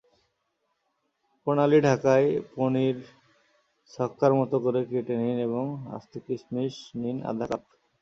প্রণালিঢাকাই পনির ছক্কার মতো করে কেটে নিন এবং আস্ত কিশমিশ নিন আধা কাপ।